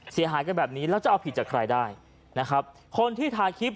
เสียหายกันแบบนี้แล้วจะเอาผิดจากใครได้นะครับคนที่ถ่ายคลิป